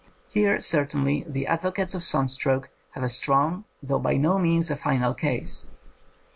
Here, certainly, the advocates of sunstroke have a strong, though by no means a final, case.